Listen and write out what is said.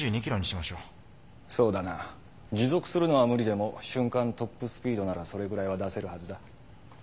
持続するのは無理でも瞬間トップスピードならそれぐらいは出せるはずだ。